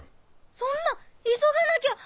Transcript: そんな⁉急がなきゃ！